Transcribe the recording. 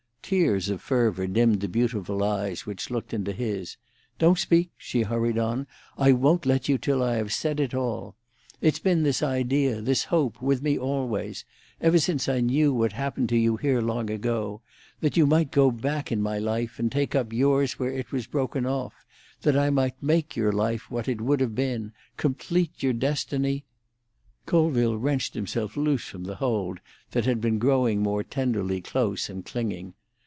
Tears of fervour dimmed the beautiful eyes which looked into his. "Don't speak!" she hurried on. "I won't let you till I have said it all. It's been this idea, this hope, with me always—ever since I knew what happened to you here long ago—that you might go back in my life and take up yours where it was broken off; that I might make your life what it would have been—complete your destiny—" Colville wrenched himself loose from the hold that had been growing more tenderly close and clinging.